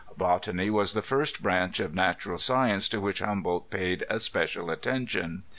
Botany was the first branch of natural science to which Humboldt paid especial attention.